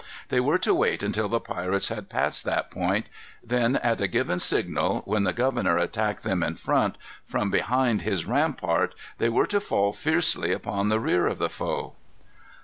They were to wait until the pirates had passed that point, then, at a given signal, when the governor attacked them in front, from behind his rampart, they were to fall fiercely upon the rear of the foe.